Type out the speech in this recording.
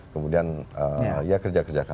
kemudian ya kerja kerja kami